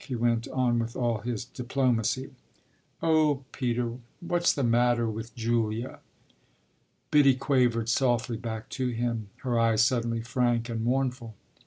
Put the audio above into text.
he went on with all his diplomacy. "Oh Peter, what's the matter with Julia?" Biddy quavered softly back to him, her eyes suddenly frank and mournful.